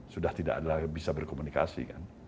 sudah tidak ada yang bisa berkomunikasi